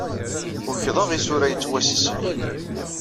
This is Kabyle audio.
Ukḍeɣ isura yettwassiselgen.